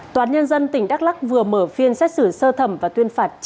toán nhân dân tỉnh đắk lắc vừa mở phiên xét xử sơ thẩm và tuyên phạt